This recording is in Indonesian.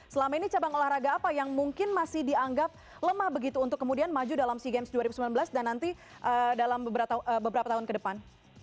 selama ini cabang olahraga apa yang mungkin masih dianggap lemah begitu untuk kemudian maju dalam sea games dua ribu sembilan belas dan nanti dalam beberapa tahun ke depan